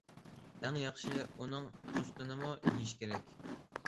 ئەڭ ياخشى ئۇنىڭ پوستىنىمۇ يېيىش كېرەك.